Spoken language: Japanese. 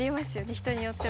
人によっては。